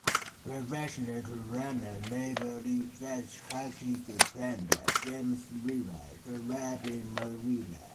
Professional Toronto Maple Leafs ice hockey goaltender James Reimer grew up in Morweena.